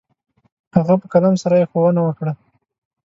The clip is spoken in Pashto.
هغه په قلم سره يې ښوونه وكړه.